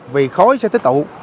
vì khói sẽ tích tụ